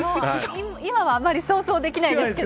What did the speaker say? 今はあまり想像できないです